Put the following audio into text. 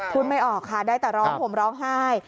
ไม่ออกค่ะได้แต่ร้องห่มร้องไห้